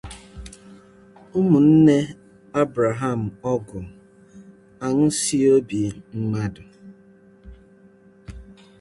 Ụmụ nne Abrahamụọgụ Aṅụsịobi Madụ